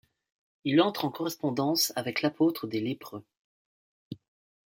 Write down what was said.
Il entre en correspondance avec l’apôtre des lépreux.